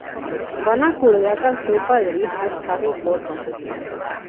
Van acordar que el seu padrí fos Harry Potter.